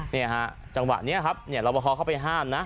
นี่ฮะจังหวะนี้ครับลบพอร์เข้าไปห้ามนะ